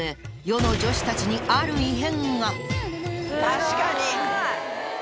確かに。